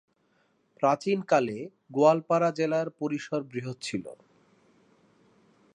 প্রাচীনকালে গোয়ালপাড়া জেলার পরিসর বৃহৎ ছিল।